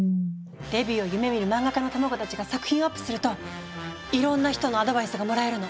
デビューを夢みるマンガ家の卵たちが作品をアップするといろんな人のアドバイスがもらえるの！